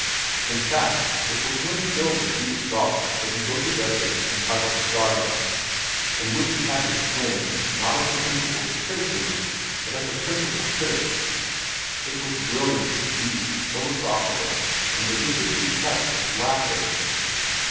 In fact, it was when filled with these thoughts that he wrote his essay entitled "Star dust," in which he had his fling, not at the principles of criticism, but at the principal critics. It was brilliant, deep, philosophical, and deliciously touched with laughter.